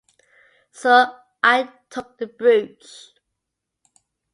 So I took the brooch.